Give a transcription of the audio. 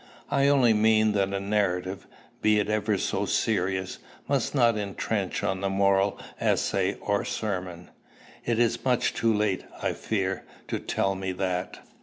"I only mean that a narrative, be it ever so serious, must not intrench on the moral essay or sermon." "It is much too late, I fear, to tell me that.